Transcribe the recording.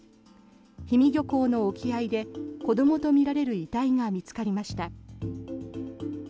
氷見漁港の沖合で子どもとみられる遺体が見つかりました。